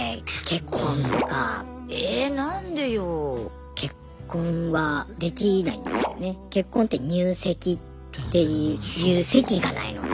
結婚って入籍っていう籍がないので。